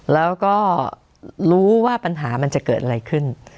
แล้วก็รู้ว่าปัญหามันจะเกิดอะไรขึ้น